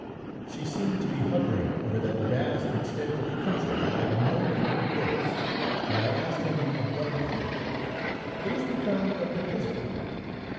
She seemed to be hovering over that vast extent of country like a mournful ghost, and I asked him abruptly: "What has become of the husband?"